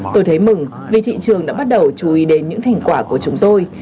tôi thấy mừng vì thị trường đã bắt đầu chú ý đến những thành quả của chúng tôi